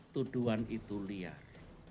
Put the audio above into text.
tuduan itu liar